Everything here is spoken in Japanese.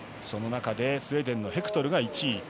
その中でスウェーデンのヘクトルが１位。